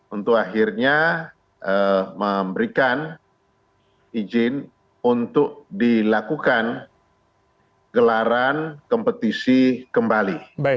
untuk akhirnya memberikan izin untuk dilakukan gelaran kompetisi kembali